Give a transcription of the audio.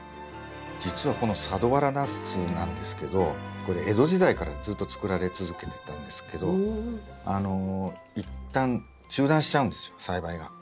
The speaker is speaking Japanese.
実はこの佐土原ナスなんですけどこれ江戸時代からずっと作られ続けてたんですけどあの一旦中断しちゃうんですよ栽培が。